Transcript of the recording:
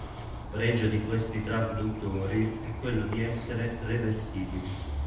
Pregio di questi trasduttori è quello di essere "reversibili".